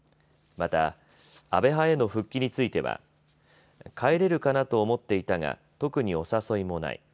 また、安倍派への復帰については帰れるかなと思っていたが特にお誘いもない。